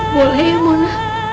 boleh ya mona